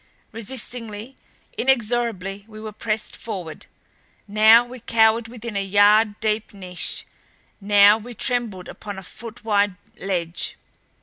Resistingly, inexorably we were pressed forward. Now we cowered within a yard deep niche; now we trembled upon a foot wide ledge.